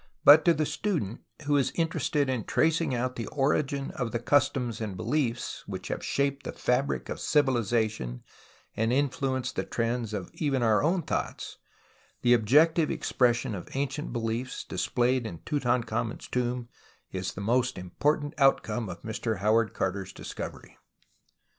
But to the student who is interested in tracing out the origin of the customs and beliefs which have shaped the fabric of civiliza tion and influenced the trends of even our own thoughts, the objective expression of ancient beliefs displayed in Tutankhamen's tomb is 130 TUTANKHAMEN the most important outcome of Mr Howard Carter's discovery.